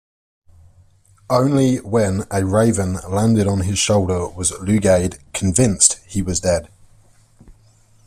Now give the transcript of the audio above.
Only when a raven landed on his shoulder was Lugaid convinced he was dead.